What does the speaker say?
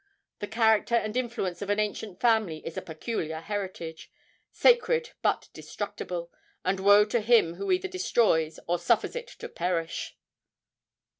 The character and influence of an ancient family is a peculiar heritage sacred but destructible; and woe to him who either destroys or suffers it to perish!'